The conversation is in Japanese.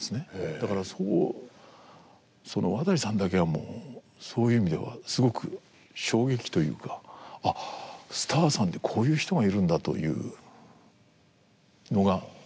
だからその渡さんだけはもうそういう意味ではすごく衝撃というかあっスターさんでこういう人がいるんだというのが出会いでしたね。